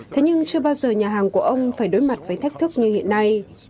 thế nhưng chưa bao giờ nhà hàng của ông phải đối mặt với thách thức như hiện nay